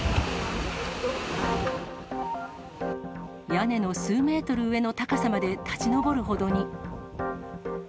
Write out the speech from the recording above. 屋根の数メートル上の高さまで立ち上るほどに。